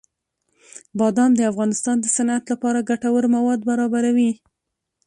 بادام د افغانستان د صنعت لپاره ګټور مواد برابروي.